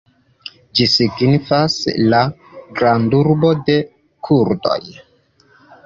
Ĝi signifas: la "grandurbo de kurdoj".